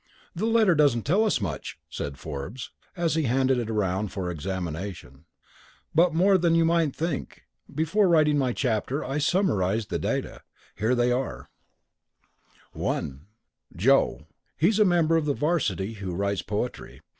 "The letter doesn't tell us much," said Forbes, as he handed it round for examination; "but more than you might think. Before writing my chapter I summarized the data. Here they are: "1. Joe. He's a member of the 'varsity who writes poetry.